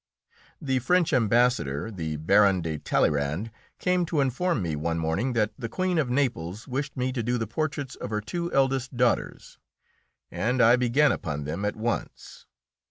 The French Ambassador, the Baron de Talleyrand, came to inform me one morning that the Queen of Naples wished me to do the portraits of her two eldest daughters, and I began upon them at once.